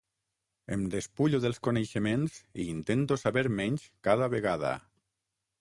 Em despullo dels coneixements i intento saber menys cada vegada.